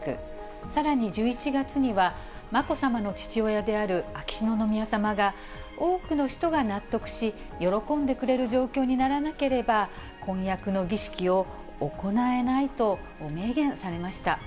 さらに１１月には、まこさまの父親である、秋篠宮さまが、多くの人が納得し、喜んでくれる状況にならなければ、婚約の儀式を行えないと明言されました。